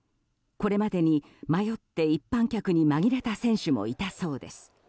これまでに迷って一般客にまぎれた選手もいたそうです。